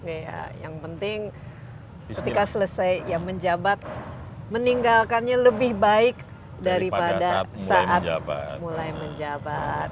iya yang penting ketika selesai ya menjabat meninggalkannya lebih baik daripada saat mulai menjabat